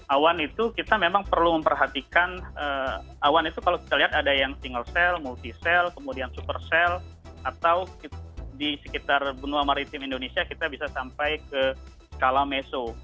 awan itu kita memang perlu memperhatikan awan itu kalau kita lihat ada yang single cell multi cell kemudian super cell atau di sekitar benua maritim indonesia kita bisa sampai ke skala meso